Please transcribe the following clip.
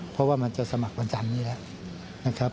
เพราะว่ามันจะสมัครวันศัลย์นี้แล้ว